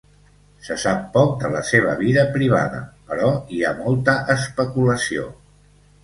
Se sap poc de la seva vida privada, però hi ha molta especulació.